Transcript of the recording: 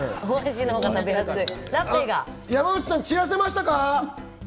山内さん、ちらせましたか？